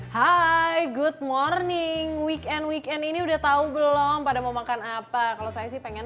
hai good morning weekend weekend ini udah tahu belum pada mau makan apa kalau saya sih pengen